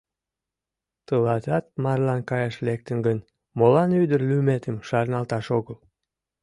Тылатат марлан каяш лектын гын, молан ӱдыр лӱметым шарналташ огыл?